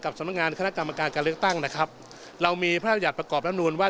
สำนักงานคณะกรรมการการเลือกตั้งนะครับเรามีพระราชประกอบรับนูลว่า